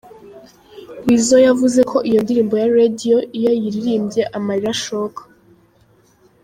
Weasel yavuze ko iyo ndirimbo ya Radio iyo ayiririmbye amarira ashoka.